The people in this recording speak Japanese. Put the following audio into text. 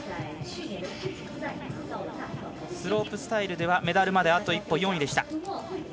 スロープスタイルではメダルまであと一歩、４位でした。